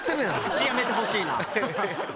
口やめてほしいな。